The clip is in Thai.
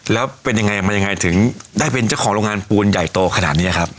แล้วเป็นยังไงมันยังไงถึงได้เป็นเจ้าของโรงงานปูนใหญ่โตขนาดนี้ครับ